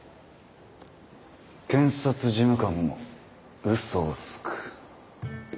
検察事務官もうそをつく。